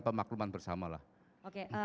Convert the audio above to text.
pemakluman bersamalah oke